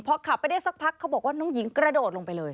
พอขับไปได้สักพักเขาบอกว่าน้องหญิงกระโดดลงไปเลย